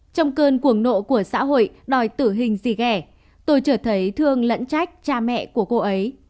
trong cơn cuồng nộ của xã hội đòi tử hình gì ghẻ tôi trở thấy thương lẫn trách cha mẹ của cô ấy